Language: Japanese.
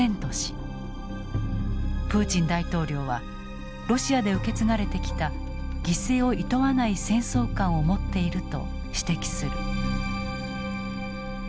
プーチン大統領はロシアで受け継がれてきた犠牲をいとわない戦争観を持っていると指摘する。